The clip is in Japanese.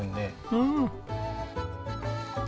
うん。